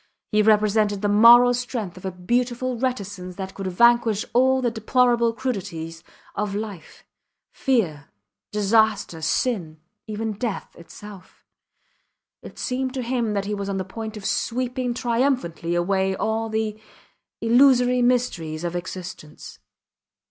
He represented the moral strength of a beautiful reticence that could vanquish all the deplorable crudities of life fear, disaster, sin even death itself. It seemed to him he was on the point of sweeping triumphantly away all the illusory mysteries of existence.